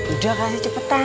udah kasih cepetan